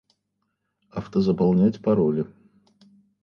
Автозаполнять пароли